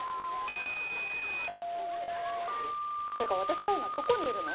てか私は今どこにいるの？